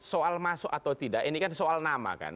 soal masuk atau tidak ini kan soal nama kan